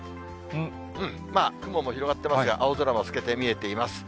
まあ雲も広がっていますが、青空も透けて見えています。